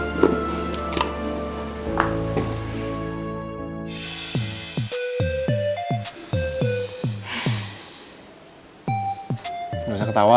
nggak usah ketawa